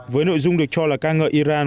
với nội dung được cho là ca ngợi iran